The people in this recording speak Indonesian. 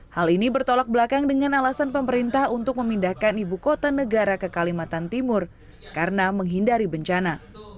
hal ini bertolak belakang dengan alasan pemerintah untuk memindahkan ibu kota negara ke kalimantan timur karena menghindari bencana